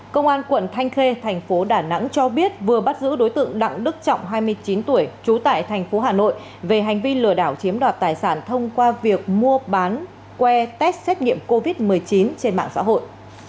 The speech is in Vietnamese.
công an quận thanh khê thành phố đà nẵng cho biết vừa bắt giữ đối tượng đặng đức trọng hai mươi chín tuổi trú tại thành phố hà nội về hành vi lừa đảo chiếm đoạt tài sản thông qua việc mua bán que test xét nghiệm covid một mươi chín trên mạng xã hội